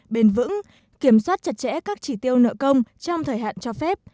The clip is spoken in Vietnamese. bền vững kiểm soát chặt chẽ các chỉ tiêu nợ công trong thời hạn cho phép